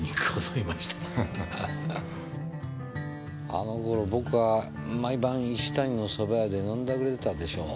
あの頃僕は毎晩石谷の蕎麦屋で飲んだくれてたでしょう。